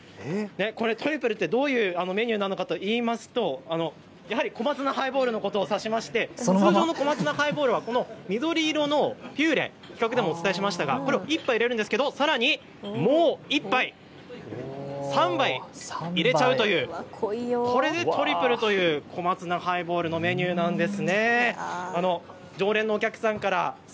トリプルってどういうメニューなのかといいますと小松菜ハイボールのことを指しまして、通常の小松菜ハイボールはこの緑色のピューレこれを１杯入れるんですけどさらにもう１杯、３杯入れちゃうという、これでトリプルという小松菜ハイボールのメニューなんです。